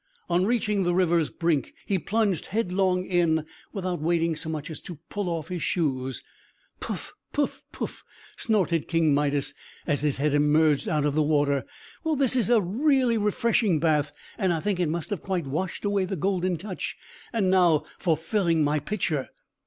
On reaching the river's brink, he plunged headlong in, without waiting so much as to pull off his shoes. "Poof! poof! poof!" snorted King Midas, as his head emerged out of the water. "Well; this is really a refreshing bath, and I think it must have quite washed away the Golden Touch. And now for filling my pitcher!"